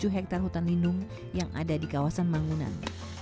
tujuh puluh tujuh hektar hutan linung yang ada di kawasan mangunan